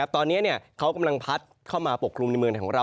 ตอนนี้เขากำลังพัดเข้ามาปกคลุมในเมืองไทยของเรา